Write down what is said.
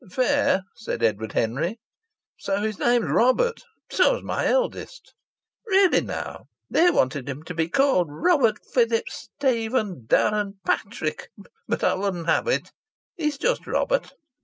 "Fair," said Edward Henry. "So his name's Robert! So's my eldest's!" "Really now! They wanted him to be called Robert Philip Stephen Darrand Patrick. But I wouldn't have it. He's just Robert.